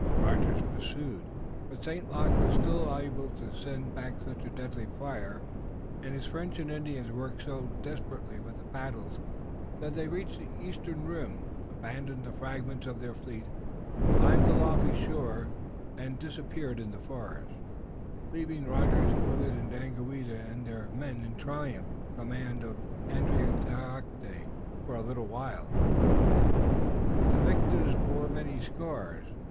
Rogers pursued, but St. Luc was still able to send back such a deadly fire and his French and Indians worked so desperately with the paddles that they reached the eastern rim, abandoned the fragments of their fleet, climbed the lofty shore and disappeared in the forest, leaving Rogers, Willet, Daganoweda and their men in triumphant command of Andiatarocte, for a little while, at least. But the victors bore many scars.